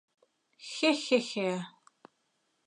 — Хе-хе-хе...